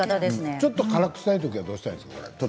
ちょっと辛くしたいときはどうしたらいいですか？